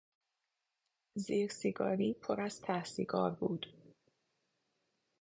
زیر سیگاری پر از ته سیگار بود.